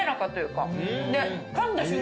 かんだ瞬間